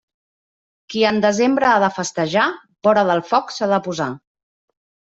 Qui en desembre ha de festejar, vora del foc s'ha de posar.